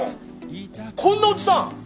こんなおじさん！？